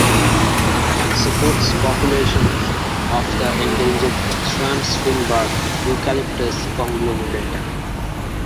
It supports populations of the endangered swamp stringbark Eucalyptus conglomerata.